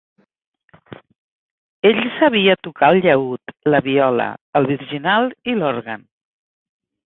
Ell sabia tocar el llaüt, la viola, el virginal i l"òrgan.